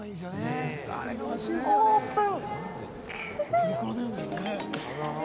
オープン！